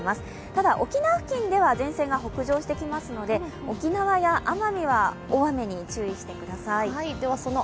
ただ沖縄付近では前線が北上してきますので沖縄や奄美は大雨に注意してください。